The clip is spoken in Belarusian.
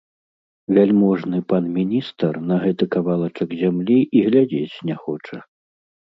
Вяльможны пан міністр на гэты кавалачак зямлі і глядзець не хоча.